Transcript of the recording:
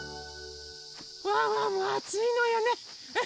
ワンワンもあついのよね。